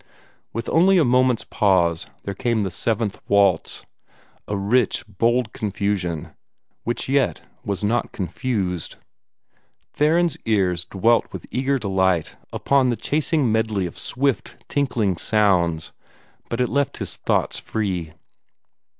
With only a moment's pause, there came the Seventh Waltz a rich, bold confusion which yet was not confused. Theron's ears dwelt with eager delight upon the chasing medley of swift, tinkling sounds, but it left his thoughts free.